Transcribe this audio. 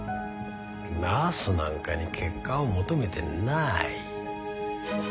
ナースなんかに結果を求めてない。